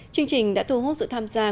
chương trình đã thu hút sự tham gia